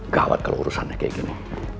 gawat kalau urusannya kayak gini